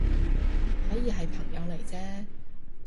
可以係朋友嚟啫